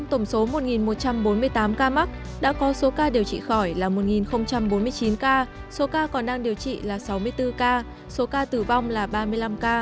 trong tổng số một một trăm bốn mươi tám ca mắc đã có số ca điều trị khỏi là một bốn mươi chín ca số ca còn đang điều trị là sáu mươi bốn ca số ca tử vong là ba mươi năm ca